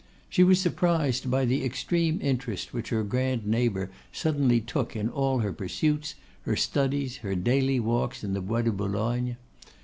She was surprised by the extreme interest which her grand neighbour suddenly took in all her pursuits, her studies, her daily walks in the Bois de Boulogne.